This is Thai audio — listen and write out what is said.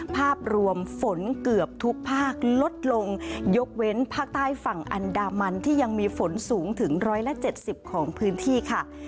ภาพรวมฝนเกือบทุกภาคลดลงยกเว้นภาคใต้ฝั่งอันดามันที่ยังมีฝนสูงถึง๑๗๐ของพื้นที่ค่ะ